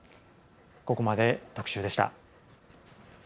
ここまで特集でした。